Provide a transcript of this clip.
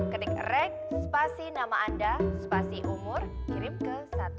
ketik reg spasi nama anda spasi umur kirim ke seribu dua ratus tiga puluh empat